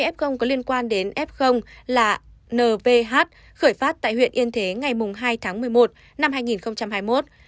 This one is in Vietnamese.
hai mươi f có liên quan đến f là nvh khởi phát tại huyện yên thế ngày hai một mươi một hai nghìn hai mươi một